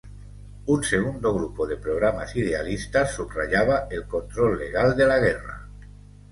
Un segundo grupo de programas idealistas subrayaba el control legal de la guerra.